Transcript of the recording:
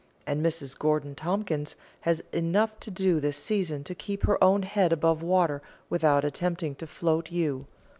and Mrs Gorgon Tompkins has enough to do this season to keep her own head above water without attempting to float you.